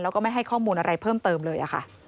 แล้วก็ไม่ให้ข้อมูลอะไรเพิ่มเติมเลยค่ะ